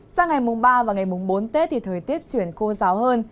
sang ngày mùng ba và ngày mùng bốn tết thì thời tiết chuyển cô giáo hơn